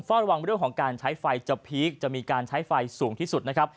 ระวังเรื่องของการใช้ไฟจะพีคจะมีการใช้ไฟสูงที่สุดนะครับ